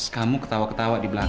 kamu ketawa ketawa di belakang